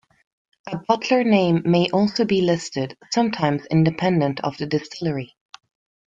A bottler name may also be listed, sometimes independent of the distillery.